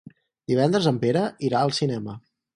Divendres en Pere irà al cinema.